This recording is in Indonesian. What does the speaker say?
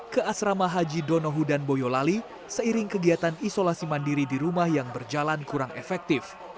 ke asrama haji donohu dan boyolali seiring kegiatan isolasi mandiri di rumah yang berjalan kurang efektif